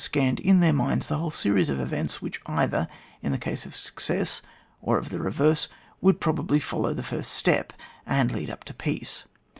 scanned in their minds the whole series of events which either, in the case of success, or of the reverse, would probably follow the first step, and lead up to peace.